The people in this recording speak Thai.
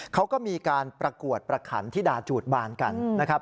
เขาก็มีการประกวดประขันธิดาจูดบานกันนะครับ